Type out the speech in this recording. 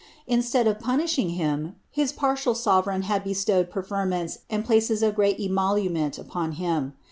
Instead of punishing him, his partial sovereign had be stowed preferments and places of great emolument upon him.